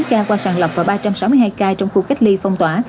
gồm sáu mươi chín ca qua sàn lọc và ba trăm sáu mươi hai ca trong khu cách ly phong tỏa